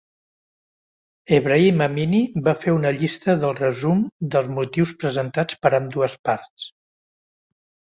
Ebrahim Amini va fer una llista del resum dels motius presentats per ambdues parts.